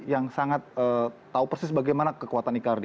yang sangat tahu persis bagaimana kekuatan icardi